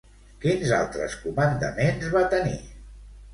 Quins altres comandaments va tenir?